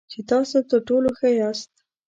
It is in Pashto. چې تاسو تر ټولو ښه یاست .